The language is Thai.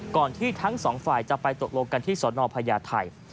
ที่ทั้งสองฝ่ายจะไปตกลงกันที่สนพญาไทย